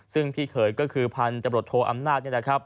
ซึ่งพี่เขยก็คือพันธุ์จำรวจโทรอำนาจ